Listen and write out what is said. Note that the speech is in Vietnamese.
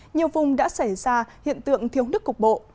nhiều vùng đã xảy ra hiện tượng thiếu nước cục bộ